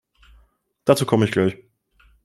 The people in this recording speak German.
Dazu komme ich gleich.